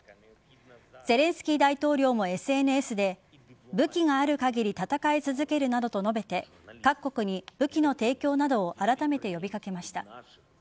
ゼレンスキー大統領もＳＮＳで武器がある限り戦い続けるなどと述べて各国に武器の提供などをあらためて呼び掛けました。